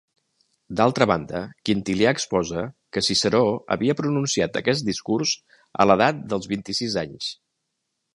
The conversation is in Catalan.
D’altra banda, Quintilià exposa que Ciceró havia pronunciat aquest discurs a l’edat dels vint-i-sis anys.